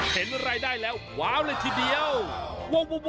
เห็นรายได้แล้วว้าวเลยทีเดียว